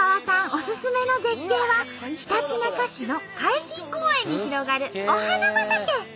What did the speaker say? オススメの絶景はひたちなか市の海浜公園に広がるお花畑。